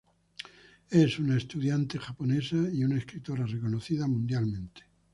Es una estudiante japonesa y una escritora reconocida mundialmente.